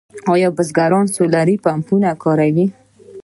آیا بزګران سولر پمپونه کاروي؟